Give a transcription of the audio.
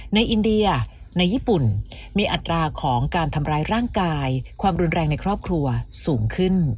อินเดียในญี่ปุ่นมีอัตราของการทำร้ายร่างกายความรุนแรงในครอบครัวสูงขึ้น